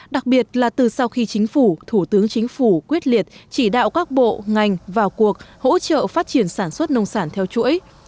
đặc biệt là từ sau khi chính phủ thủ tướng chính phủ quyết liệt chỉ đạo các bộ ngành vào cuộc hỗ trợ phát triển sản xuất nông sản theo chuỗi